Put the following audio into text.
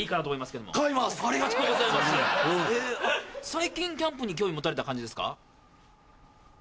最近キャンプに興味持たれた感じですか？